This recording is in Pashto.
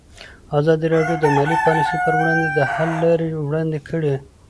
ازادي راډیو د مالي پالیسي پر وړاندې د حل لارې وړاندې کړي.